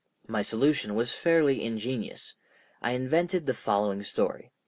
My solution was fairly ingenious. I invented the following story.